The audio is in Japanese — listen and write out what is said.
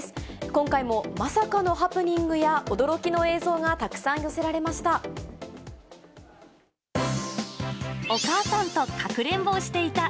今回もまさかのハプニングや驚きの映像がたくさん寄せられました。